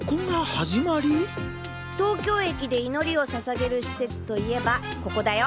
東京駅で祈りを捧げる施設といえばここだよ。